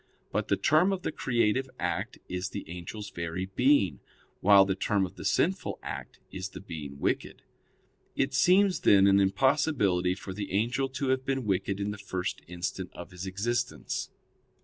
But the term of the creative act is the angel's very being, while the term of the sinful act is the being wicked. It seems, then, an impossibility for the angel to have been wicked in the first instant of his existence.